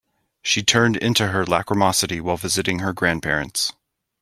She turned into her lachrymosity while visiting her grandparents.